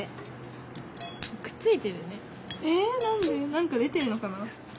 なんか出てるのかな？